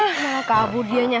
malah kabur dianya